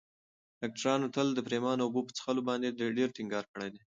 ډاکترانو تل د پرېمانه اوبو په څښلو باندې ډېر ټینګار کړی دی.